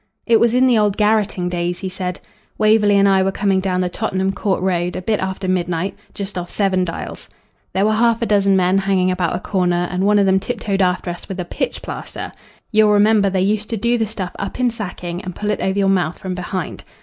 "It was in the old garrotting days," he said. "Waverley and I were coming down the Tottenham Court Road a bit after midnight just off Seven Dials. There were half a dozen men hanging about a corner, and one of them tiptoed after us with a pitch plaster you'll remember they used to do the stuff up in sacking and pull it over your mouth from behind.